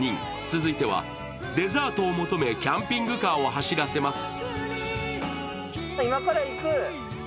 続いてはデザートを求めキャンピングカーを走らせます。